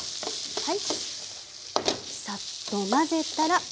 はい。